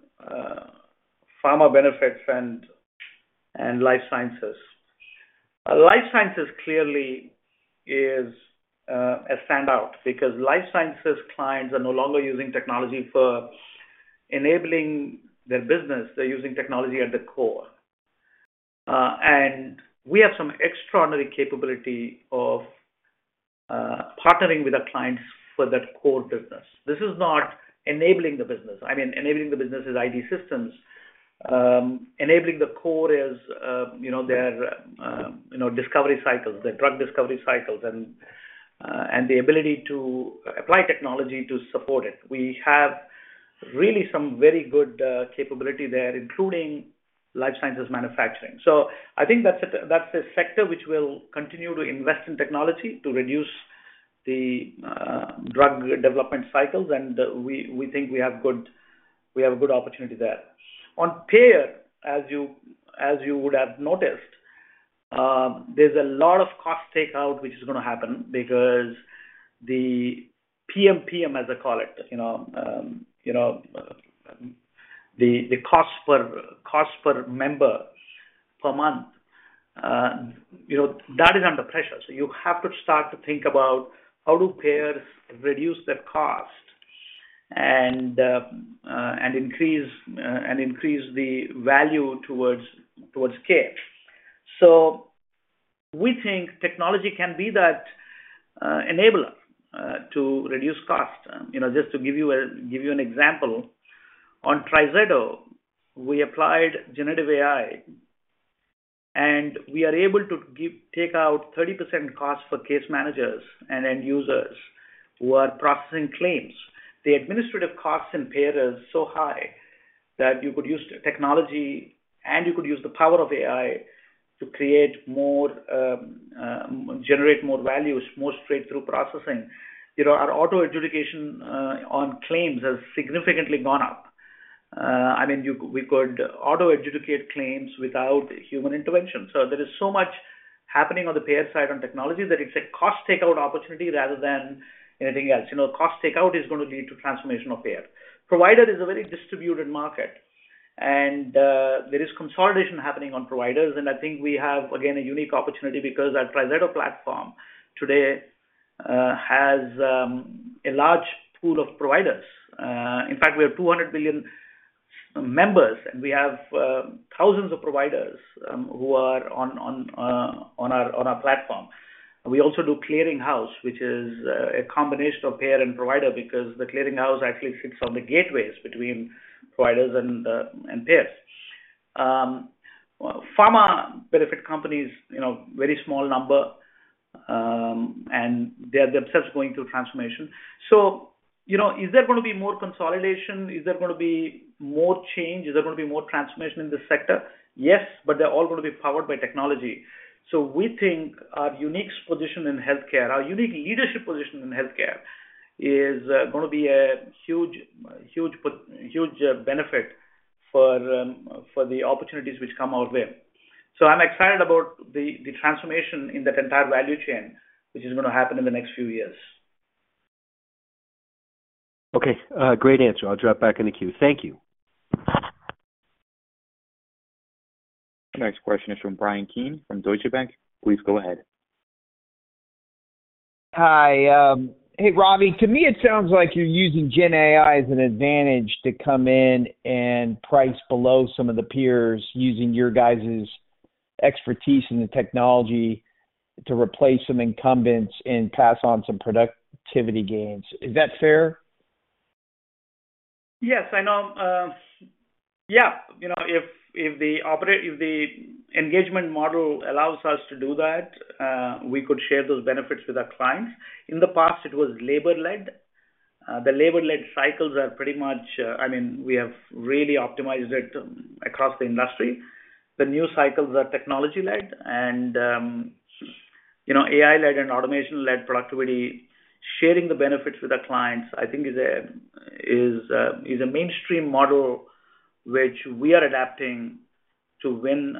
pharma benefits, and life sciences. Life sciences clearly is a standout because life sciences clients are no longer using technology for enabling their business. They're using technology at the core. And we have some extraordinary capability of partnering with our clients for that core business. This is not enabling the business. I mean, enabling the business is IT systems. Enabling the core is their discovery cycles, their drug discovery cycles, and the ability to apply technology to support it. We have really some very good capability there, including life sciences manufacturing. So I think that's a sector which will continue to invest in technology to reduce the drug development cycles. And we think we have a good opportunity there. On payer, as you would have noticed, there's a lot of cost takeout which is going to happen because the PMPM, as I call it, the cost per member per month, that is under pressure. So you have to start to think about how do payers reduce their cost and increase the value towards care. So we think technology can be that enabler to reduce cost. Just to give you an example, on TriZetto, we applied generative AI, and we are able to take out 30% cost for case managers and end users who are processing claims. The administrative costs in payer is so high that you could use technology, and you could use the power of AI to generate more value, more straight-through processing. Our auto adjudication on claims has significantly gone up. I mean, we could auto adjudicate claims without human intervention. So there is so much happening on the payer side on technology that it's a cost takeout opportunity rather than anything else. Cost takeout is going to lead to transformation of payer. Provider is a very distributed market, and there is consolidation happening on providers. And I think we have, again, a unique opportunity because our TriZetto platform today has a large pool of providers. In fact, we have 200 million members, and we have thousands of providers who are on our platform. We also do clearinghouse, which is a combination of payer and provider because the clearinghouse actually sits on the gateways between providers and payers. Pharma benefit companies, very small number, and they are themselves going through transformation. So is there going to be more consolidation? Is there going to be more change? Is there going to be more transformation in this sector? Yes, but they're all going to be powered by technology. So we think our unique position in healthcare, our unique leadership position in healthcare is going to be a huge benefit for the opportunities which come out of there. So I'm excited about the transformation in that entire value chain, which is going to happen in the next few years. Okay. Great answer. I'll drop back in the queue. Thank you. Next question is from Bryan Keane from Deutsche Bank. Please go ahead. Hi. Hey, Ravi. To me, it sounds like you're using GenAI as an advantage to come in and price below some of the peers using your guys' expertise in the technology to replace some incumbents and pass on some productivity gains. Is that fair? Yes. Yeah. If the engagement model allows us to do that, we could share those benefits with our clients. In the past, it was labor-led. The labor-led cycles are pretty much, I mean, we have really optimized it across the industry. The new cycles are technology-led and AI-led and automation-led productivity. Sharing the benefits with our clients, I think, is a mainstream model which we are adapting to win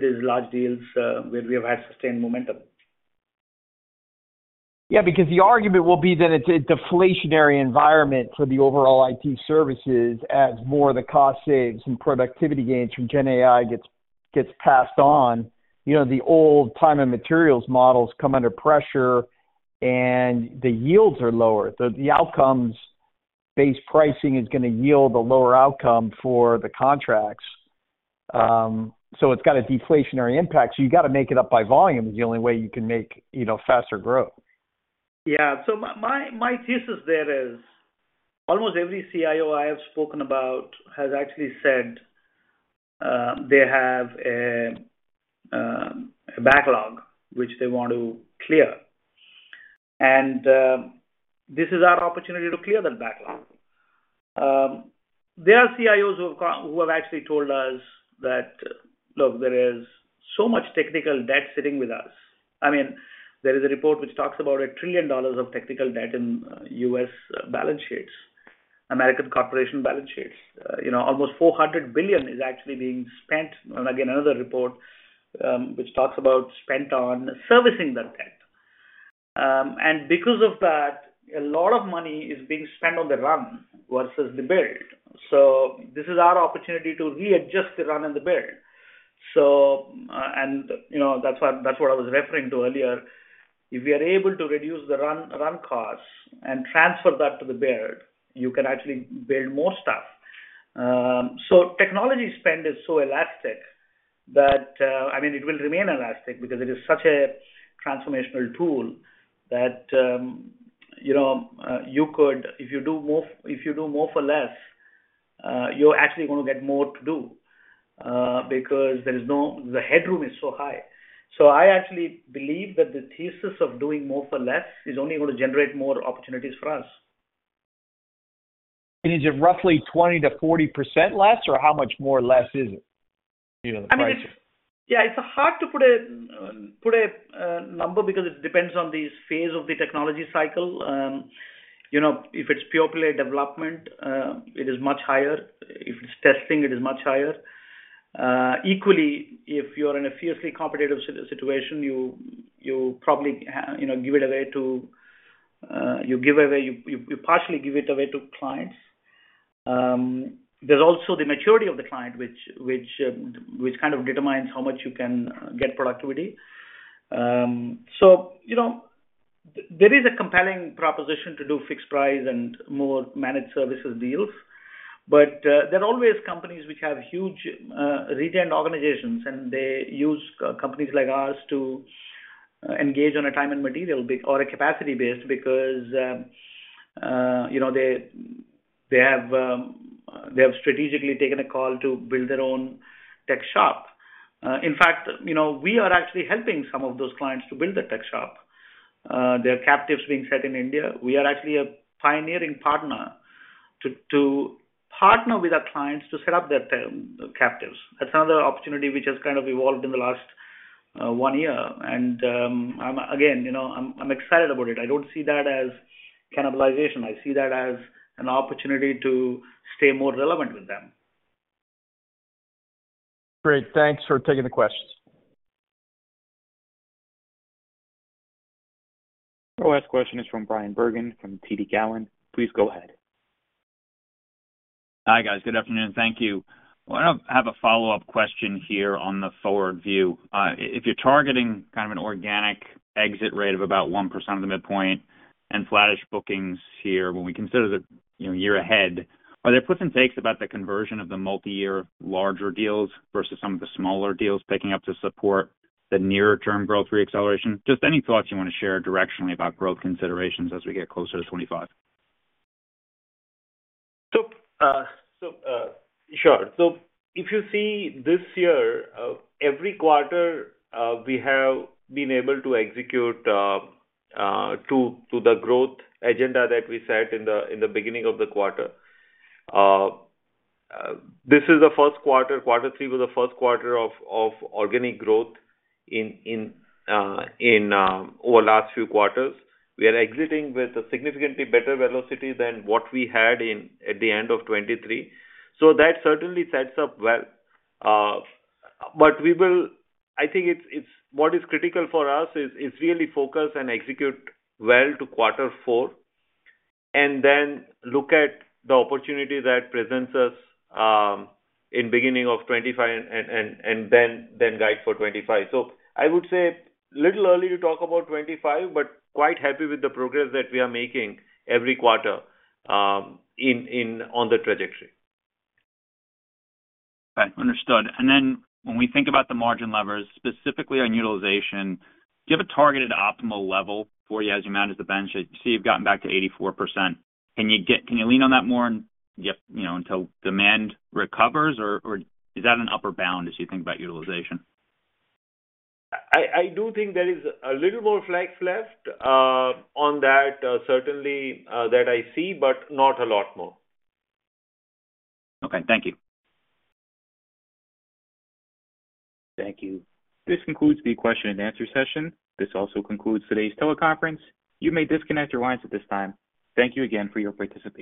these large deals where we have had sustained momentum. Yeah. Because the argument will be that it's a deflationary environment for the overall IT services as more of the cost saves and productivity gains from GenAI gets passed on. The old time and materials models come under pressure, and the yields are lower. The outcomes-based pricing is going to yield a lower outcome for the contracts. So it's got a deflationary impact. So you got to make it up by volume is the only way you can make faster growth. Yeah. So my thesis there is almost every CIO I have spoken about has actually said they have a backlog which they want to clear. And this is our opportunity to clear that backlog. There are CIOs who have actually told us that, "Look, there is so much technical debt sitting with us." I mean, there is a report which talks about $1 trillion of technical debt in U.S. balance sheets, American corporation balance sheets. Almost $400 billion is actually being spent. And again, another report which talks about spent on servicing that debt. Because of that, a lot of money is being spent on the run versus the build. This is our opportunity to readjust the run and the build. That's what I was referring to earlier. If we are able to reduce the run costs and transfer that to the build, you can actually build more stuff. Technology spend is so elastic that, I mean, it will remain elastic because it is such a transformational tool that you could, if you do more for less, you're actually going to get more to do because the headroom is so high. I actually believe that the thesis of doing more for less is only going to generate more opportunities for us. Is it roughly 20%-40% less, or how much more or less is it? I mean, yeah, it's hard to put a number because it depends on the phase of the technology cycle. If it's pure play development, it is much higher. If it's testing, it is much higher. Equally, if you're in a fiercely competitive situation, you probably give it away, you partially give it away to clients. There's also the maturity of the client which kind of determines how much you can get productivity. So there is a compelling proposition to do fixed price and more managed services deals. But there are always companies which have huge regional organizations, and they use companies like ours to engage on a time and material or a capacity-based because they have strategically taken a call to build their own tech shop. In fact, we are actually helping some of those clients to build their tech shop. There are captives being set in India. We are actually a pioneering partner to partner with our clients to set up their captives. That's another opportunity which has kind of evolved in the last one year. And again, I'm excited about it. I don't see that as cannibalization. I see that as an opportunity to stay more relevant with them. Great. Thanks for taking the questions. Our last question is from Bryan Bergin from TD Cowen. Please go ahead. Hi, guys. Good afternoon. Thank you. I have a follow-up question here on the forward view. If you're targeting kind of an organic exit rate of about 1% of the midpoint and flattish bookings here when we consider the year ahead, are there puts and takes about the conversion of the multi-year larger deals versus some of the smaller deals picking up to support the nearer-term growth reacceleration? Just any thoughts you want to share, directionally, about growth considerations as we get closer to 2025? Sure. So if you see this year, every quarter, we have been able to execute to the growth agenda that we set in the beginning of the quarter. This is the first quarter. Quarter three was the first quarter of organic growth over the last few quarters. We are exiting with a significantly better velocity than what we had at the end of 2023. So that certainly sets up well. But I think what is critical for us is really focus and execute well to quarter four and then look at the opportunity that presents us in the beginning of 2025 and then guide for 2025. So I would say a little early to talk about 2025, but quite happy with the progress that we are making every quarter on the trajectory. Okay. Understood. And then when we think about the margin levers, specifically on utilization, do you have a targeted optimal level for you as you manage the bench? You say you've gotten back to 84%. Can you lean on that more until demand recovers, or is that an upper bound as you think about utilization? I do think there is a little more flex left on that, certainly, that I see, but not a lot more. Okay. Thank you. Thank you. This concludes the question-and-answer session. This also concludes today's teleconference. You may disconnect your lines at this time. Thank you again for your participation.